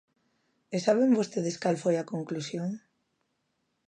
¿E saben vostedes cal foi a conclusión?